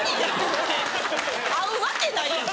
合うわけないやん